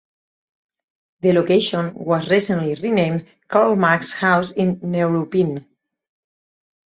The location was the recently renamed Karl Marx House in Neuruppin.